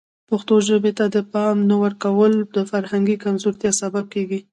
پښتو ژبې ته د پام نه ورکول د فرهنګي کمزورتیا سبب کیږي.